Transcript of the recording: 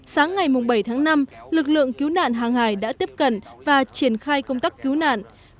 sáng ngày bảy tháng năm lực lượng cứu nạn hàng hải đã tiếp cận và triển khai công tác cứu nạn